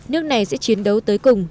nước này sẽ chiến đấu tới cùng